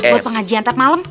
buat pengajian tak malem